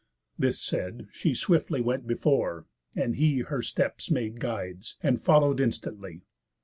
This said, she swiftly went before, and he Her steps made guides, and follow'd instantly.